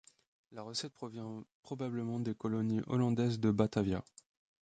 La recette provient probablement des colonies hollandaises de Batavia.